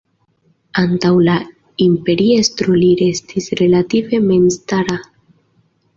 Antaŭ la imperiestro li restis relative memstara.